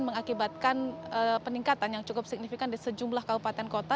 mengakibatkan peningkatan yang cukup signifikan di sejumlah kabupaten kota